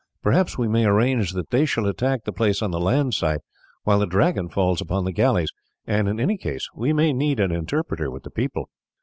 Perhaps we may arrange that they shall attack the place on the land side, while the Dragon falls upon the galleys, and in any case we may need an interpreter with the people."